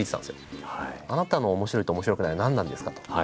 あなたの面白いと面白くないは何なんですか？と。